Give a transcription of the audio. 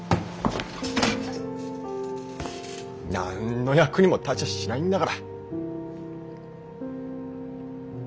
なんの役にも立ちゃしないんだから。